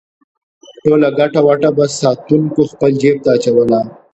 ټوله ګټه وټه به ساتونکو خپل جېب ته اچوله.